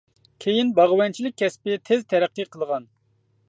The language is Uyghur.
كېيىن باغۋەنچىلىك كەسپى تېز تەرەققىي قىلغان.